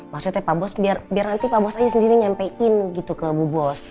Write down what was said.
maksudnya pak bos biar nanti pak bos aja sendiri nyampein gitu ke bu bos